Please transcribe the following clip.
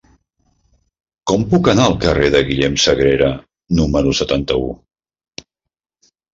Com puc anar al carrer de Guillem Sagrera número setanta-u?